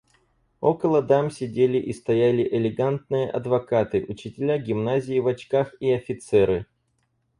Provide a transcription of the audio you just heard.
Около дам сидели и стояли элегантные адвокаты, учителя гимназии в очках и офицеры.